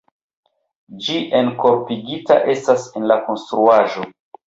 Ĝi enkorpigita estas en la konstruaĵo.